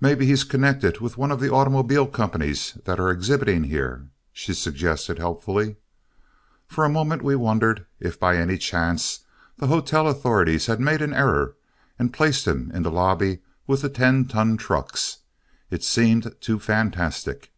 "Maybe he's connected with one of the automobile companies that are exhibiting here," she suggested, helpfully. For a moment we wondered if by any chance the hotel authorities had made an error and placed him in the lobby with the ten ton trucks. It seemed too fantastic.